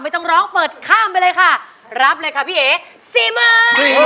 ต้องร้องเปิดข้ามไปเลยค่ะรับเลยค่ะพี่เอ๋สี่หมื่น